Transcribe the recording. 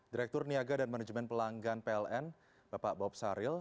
direktur niaga dan manajemen pelanggan pln bapak bob saril